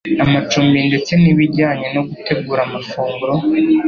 amacumbi ndetse n'ibijyanye no gutegura amafunguro.